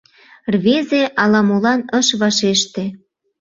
Рвезе ала-молан ыш вашеште.